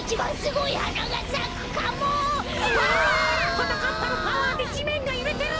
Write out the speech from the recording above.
はなかっぱのパワーでじめんがゆれてる！